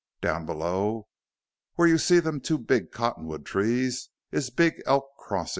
Down below there where you see them two big cottonwood trees is 'Big Elk' crossin'.